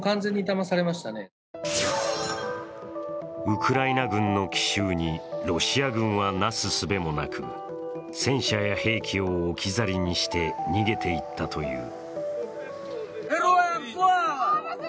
ウクライナ軍の奇襲にロシア軍はなすすべもなく、戦車や兵器を置き去りにして逃げていったという。